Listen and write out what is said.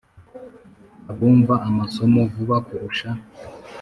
abumva amasomo vuba kurusha